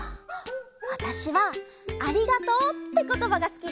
わたしは「ありがとう」ってことばがすきだな。